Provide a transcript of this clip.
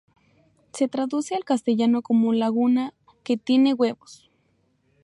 Se traduce al castellano como laguna "que tiene huevos".